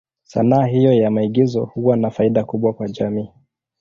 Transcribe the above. Sanaa hiyo ya maigizo huwa na faida kubwa kwa jamii.